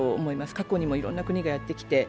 過去にもいろんな国がやってきて。